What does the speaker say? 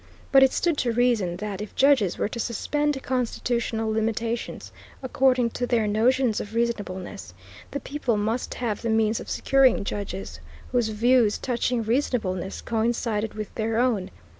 But it stood to reason that if judges were to suspend constitutional limitations according to their notions of reasonableness, the people must have the means of securing judges whose views touching reasonableness coincided with their own.